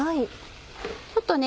ちょっとね